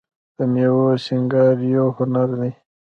د میوو سینګار یو هنر دی.